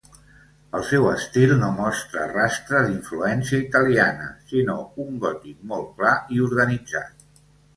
El seu estil no mostra rastre d'influència italiana, sinó un gòtic molt clar i organitzat.